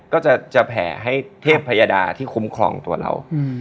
ก็จะแผ่ให้เทพพยดาที่คุ้มครองตัวเรา